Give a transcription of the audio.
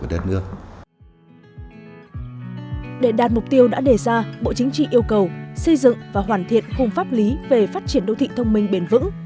để đạt mục tiêu đã đề ra bộ chính trị yêu cầu xây dựng và hoàn thiện khung pháp lý về phát triển đô thị thông minh bền vững